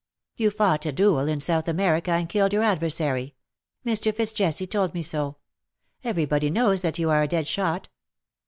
^' You fought a duel in South America, and killed your adversary. Mr. FitzJesse told me so. Every body knows that you are a dead shot.